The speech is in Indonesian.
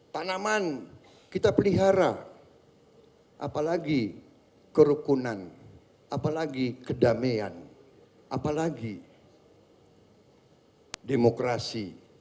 tanaman kita pelihara apalagi kerukunan apalagi kedamaian apalagi demokrasi